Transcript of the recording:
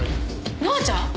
乃愛ちゃん？